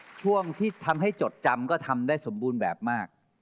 ช่วงที่ทำให้จดจำก็ทำได้สมบูรณ์แบบมาก